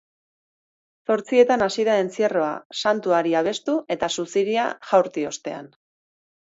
Zortzietan hasi da entzierroa, santuari abestu eta suziria jaurti ostean.